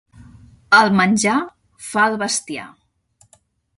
El menjar fa el bestiar.